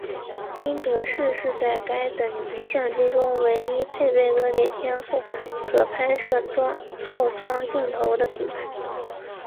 宾得士是在该等级相机中唯一配备恶劣天候可拍摄套装镜头的品牌。